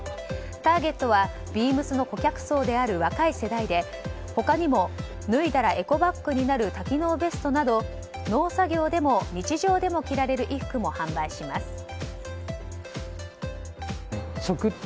ターゲットはＢＥＡＭＳの顧客層である若い世代で他にも脱いだらエコバッグになる多機能ベストなど農作業でも日常でも着られる衣服も販売します。